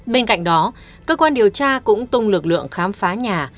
bên cạnh đó cơ quan điều tra cũng tung lực lượng khám phá nhà